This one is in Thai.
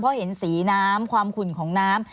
เพราะเห็นสีน้ำความขุ่นของน้ำ